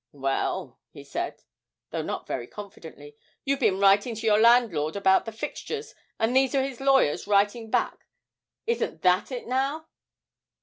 Well,' he said, though not very confidently, 'you've been writing to your landlord about the fixtures, and these are his lawyers writing back isn't that it now?'